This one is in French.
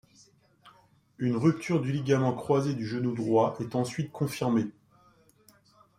Une ruputure du ligament croisé du genou droit est ensuite confirmée.